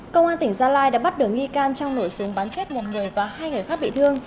công an tỉnh gia lai đã bắt được nghi can trong nổ súng bắn chết một người và hai người khác bị thương